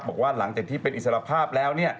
บอกว่าหลังจากที่เป็นอิสรภาพแล้ว